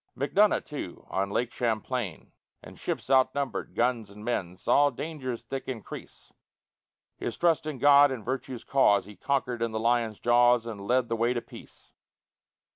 Macdonough, too, on Lake Champlain, In ships outnumbered, guns, and men, Saw dangers thick increase; His trust in God and virtue's cause He conquer'd in the lion's jaws, And led the way to peace.